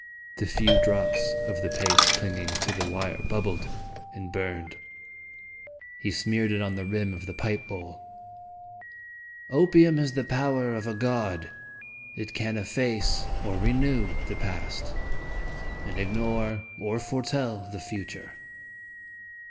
The few drops of the paste clinging to the wire bubbled and burned. He smeared it on the rim of the pipe bowl. " Opium has the power of a god; it can efface or renew the Past, and ignore or foretell the Future."